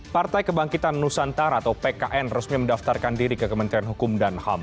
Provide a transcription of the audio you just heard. partai kebangkitan nusantara atau pkn resmi mendaftarkan diri ke kementerian hukum dan ham